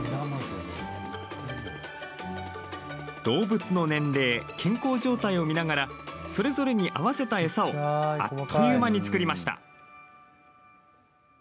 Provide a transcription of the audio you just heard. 動物の年齢、健康状態を見ながらそれぞれに合わせた餌をあっという間に作りました。